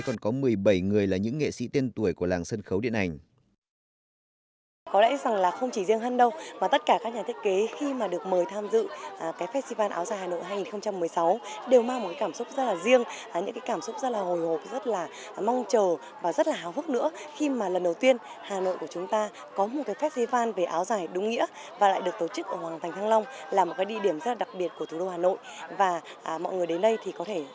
còn có một mươi bảy người là những nghệ sĩ tiên tuổi của làng sân khấu điện ảnh